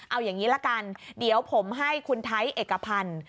เอาอย่างนี้ละกันเดี๋ยวผมให้คุณไทยเอกพันธ์